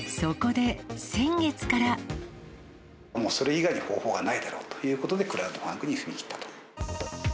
もう、それ以外に方法がないだろうということで、クラウドファンディングに踏み切ったと。